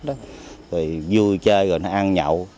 rồi vui chơi rồi nó ăn nhậu